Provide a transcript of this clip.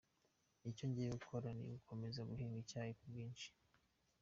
Icyo ngiye gukora ni ugukomeza guhinga icyayi ku bwinshi”.